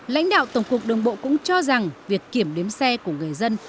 lãnh đạo tổng cục đường bộ cũng cho rằng việc kiểm đếm xe của người dân